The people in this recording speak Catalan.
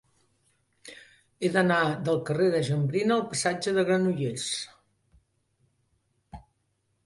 He d'anar del carrer de Jambrina al passatge de Granollers.